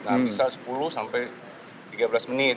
nah bisa sepuluh sampai tiga belas menit